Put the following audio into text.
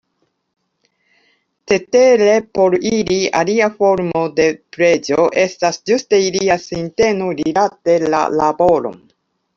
Cetere por ili alia formo de preĝo estas ĝuste ilia sinteno rilate la laboron.